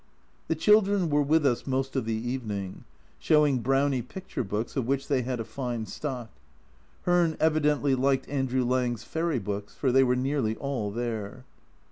The children were with us most of the evening, showing Brownie picture books, of which they had a fine stock. Hearn evidently liked Andrew Lang's fairy books, for they were nearly all there.